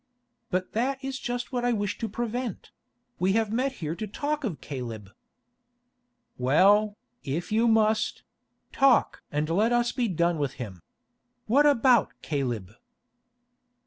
"But that is just what I wish to prevent; we have met here to talk of Caleb." "Well, if you must—talk and let us be done with him. What about Caleb?"